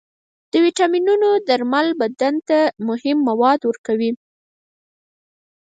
د ویټامینونو درمل بدن ته مهم مواد ورکوي.